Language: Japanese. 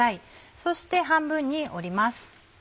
そして半分に折ります。